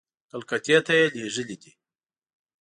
کلکتې ته یې لېږلي دي.